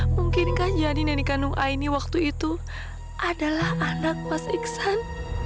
mungkinkah janin yang dikandung aini waktu itu adalah anak mas iksan